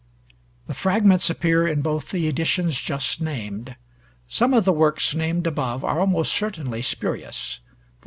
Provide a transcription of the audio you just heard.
The 'Fragments' appear in both the editions just named. Some of the works named above are almost certainly spurious; _e.